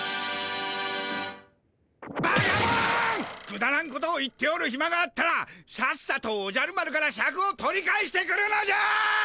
くだらんことを言っておるひまがあったらさっさとおじゃる丸からシャクを取り返してくるのじゃ！